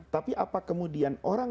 tapi apa kemudian orang